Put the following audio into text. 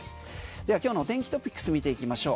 では、今日のお天気トピックス見ていきましょう。